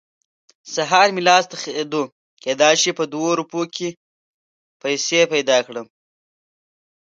سهار مې لاس تخېدو؛ کېدای شي په دې ورځو کې پيسې پیدا کړم.